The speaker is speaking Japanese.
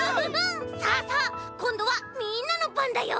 さあさあこんどはみんなのばんだよ！